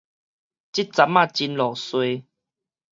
這站仔真落衰